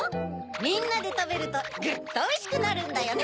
みんなでたべるとぐっとおいしくなるんだよな！